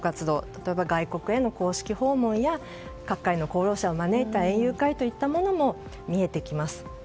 例えば外国への公式訪問や各界の功労者を招いた園遊会といったものも見えてきます。